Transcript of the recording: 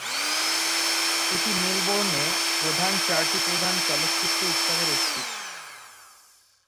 এটি মেলবোর্নে প্রধান চারটি প্রধান চলচ্চিত্র উৎসবের একটি।